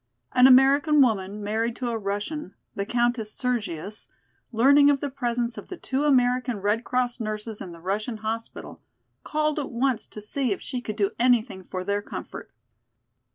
An American woman, married to a Russian, the Countess Sergius, learning of the presence of the two American Red Cross nurses in the Russian hospital, called at once to see if she could do anything for their comfort.